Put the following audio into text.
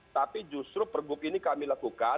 tapi justru pergub ini kami lakukan